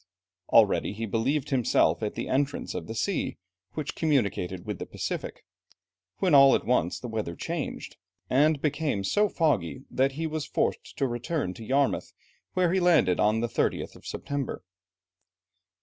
Already he believed himself at the entrance of the sea, which communicated with the Pacific, when all at once the weather changed, and became so foggy, that he was forced to return to Yarmouth, where he landed on the 30th of September.